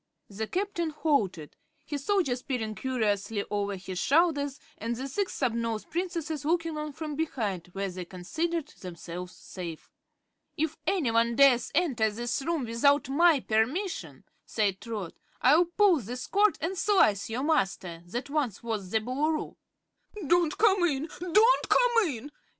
The Captain halted, his soldiers peering curiously over his shoulders and the Six Snubnosed Princesses looking on from behind, where they considered themselves safe. "If anyone dares enter this room without my permission," said Trot, "I'll pull this cord and slice your master that once was the Boolooroo." "Don't come in! Don't come in!"